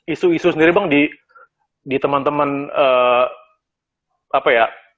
isu isu sendiri bang di teman teman apa ya